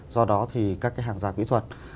do đó thì các cái hàng da quỹ thuật